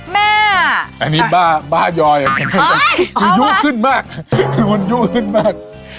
แม่อันนี้บ้าบ้ายอยคือยุขึ้นมากคือมันยุ่ขึ้นมาก